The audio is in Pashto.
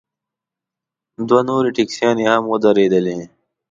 دوه نورې ټیکسیانې هم ودرېدلې.